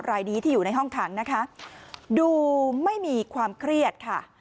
รายนี้ที่อยู่ในห้องขังนะคะดูไม่มีความเครียดค่ะ